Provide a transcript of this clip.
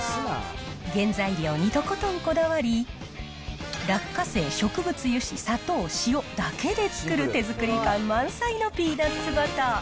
原材料にとことんこだわり、落花生、植物油脂、砂糖、塩だけで作る手作り感満載のピーナッツバター。